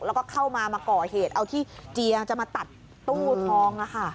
แล้วก็เข้ามามาก่อเหตุเอาที่เจียจะมาตัดตู้ทอง